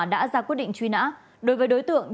đã ra quyết định truy nã đối với đối tượng